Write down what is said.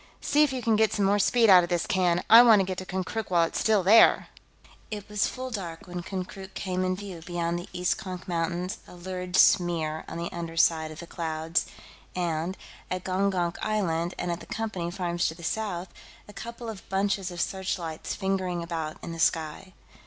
See if you can get some more speed out of this can. I want to get to Konkrook while it's still there!" It was full dark when Konkrook came in view beyond the East Konk Mountains, a lurid smear on the underside of the clouds, and, at Gongonk Island and at the Company farms to the south, a couple of bunches of searchlights fingering about in the sky.